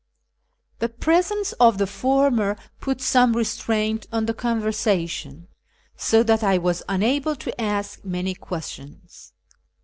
The presence of the former put some restraint on the conversation, so that I was unable to ask many questions.